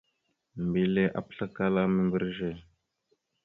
Mbelle apəslakala membreze.